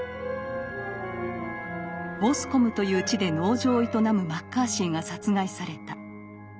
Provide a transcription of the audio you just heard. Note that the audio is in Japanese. ボスコムという地で農場を営むマッカーシーが殺害された。